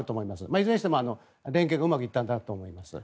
いずれにしても連携がうまくいったんだろうと思います。